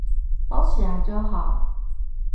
包起來就好